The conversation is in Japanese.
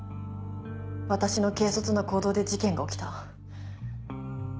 私の軽率な行動で事件が起きた。